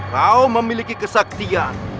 kau memiliki kesaktian